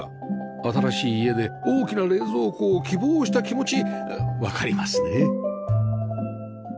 新しい家で大きな冷蔵庫を希望した気持ちわかりますね